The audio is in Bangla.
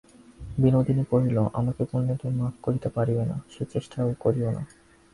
বিনোদিনী কহিল, আমাকে কোনোদিন তুমি মাপ করিতে পারিবে না–সে চেষ্টাও করিয়ো না।